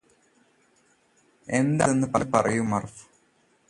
എന്താണതെന്ന് പറയൂ മര്ഫ്